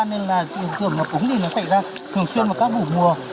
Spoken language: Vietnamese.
nên là dịu tưởng là cũng gì nó xảy ra thường xuyên vào các vụ mùa